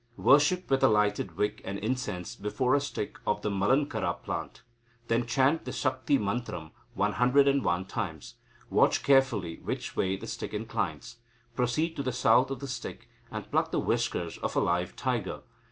Worship with a lighted wick and incense before a stick of the malankara plant. Then chant the Sakti mantram one hundred and one times. Watch carefully which way the stick inclines. Proceed to the south of the stick, and pluck the whiskers of a live tiger.